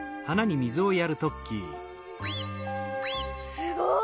すごい。